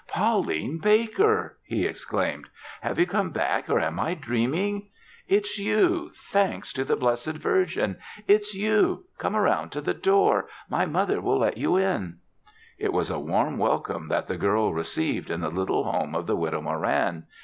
"Pauline Baker!" he exclaimed. "Have you come back or am I dreaming? It's you thanks to the Blessed Virgin! It's you! Come around to the door. My mother will let you in." It was a warm welcome that the girl received in the little home of the Widow Moran.